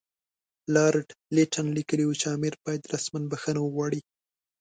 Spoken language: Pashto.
لارډ لیټن لیکلي وو چې امیر باید رسماً بخښنه وغواړي.